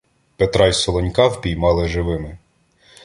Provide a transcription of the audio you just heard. Петра й Солонька впіймали живими.